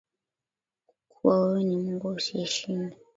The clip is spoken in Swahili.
Kuwa wewe ni Mungu usiyeshindwa